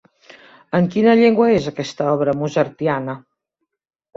En quina llengua és aquesta obra mozartiana?